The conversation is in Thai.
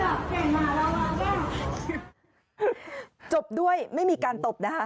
เจ้าหน้าที่อยู่ตรงนี้กำลังจะปัด